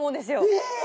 えっ！